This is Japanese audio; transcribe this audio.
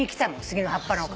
杉の葉っぱの。